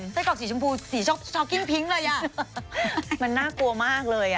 ไส้กอกสีชมพูสีเลยอ่ะมันน่ากลัวมากเลยอ่ะ